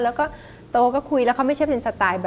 แล้วโต๊ก็คุยแล้วเขาไม่เชื่อมิตรสไตล์